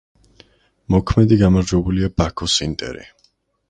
მოქმედი გამარჯვებულია ბაქოს „ინტერი“.